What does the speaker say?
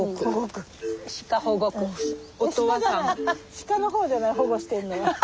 鹿の方じゃない保護してるのは。